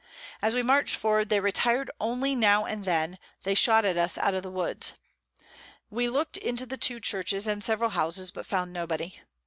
As we march'd forward, they retir'd only now and then they shot at us out of the Woods. We look'd into the two Churches, and several Houses, but found nobody.